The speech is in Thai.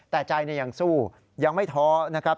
แต่ใจยังสู้ยังไม่ท้อนะครับ